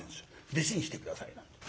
「弟子にして下さい」なんて。